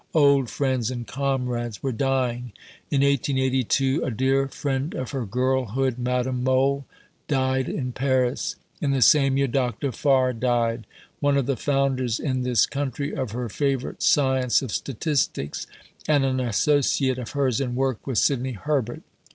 Old friends and comrades were dying. In 1882 a dear friend of her girlhood Madame Mohl died in Paris. In the same year Dr. Farr died one of the founders in this country of her favourite science of statistics, and an associate of hers in work with Sidney Herbert.